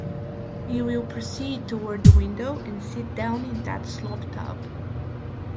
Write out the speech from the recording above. You will proceed toward the window and sit down in that slop-tub.